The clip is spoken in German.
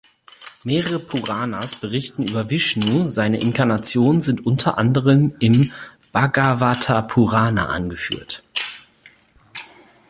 Mehrere Puranas berichten über Vishnu, seine Inkarnationen sind unter anderem im Bhagavatapurana angeführt.